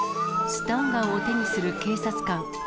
スタンガンを手にする警察官。